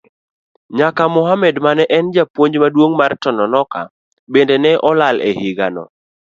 Nyaka Mohammad mane en japuonj maduong' mar Tononoka bende ne olal e higano.